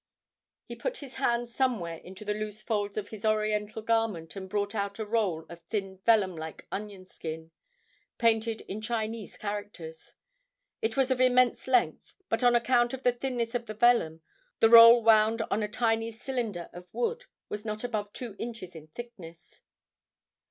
He put his hand somewhere into the loose folds of his Oriental garment and brought out a roll of thin vellum like onion skin, painted in Chinese characters. It was of immense length, but on account of the thinness of the vellum, the roll wound on a tiny cylinder of wood was not above two inches in thickness.